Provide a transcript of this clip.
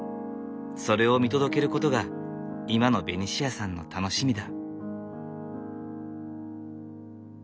それを見届けることが今のベニシアさんの楽しみだ。